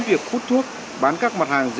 việc khuất thuốc bán các mặt hàng